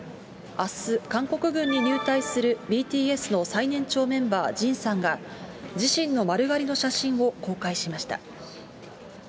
あす、韓国軍に入隊するＢＴＳの最年長メンバー、ジンさんが、自身の丸刈りの写真を公開しました。